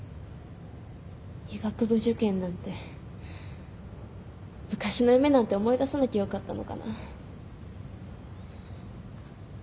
医学部受験なんて昔の夢なんて思い出さなきゃよかったのかな。